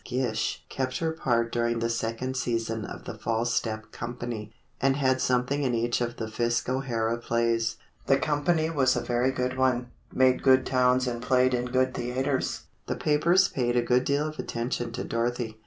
Gish kept her part during the second season of the "False Step" Company, and had something in each of the Fisk O'Hara plays. The company was a very good one, made good towns and played in good theatres. The papers paid a good deal of attention to Dorothy.